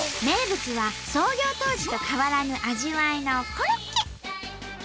名物は創業当時と変わらぬ味わいのコロッケ！